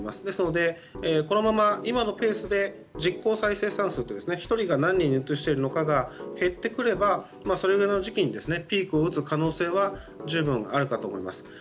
ですので、このまま今のペースで実効再生産数１人が何人にうつしているのかそれが減ってくればその時期にピークを打つ可能性は十分あるかと思います。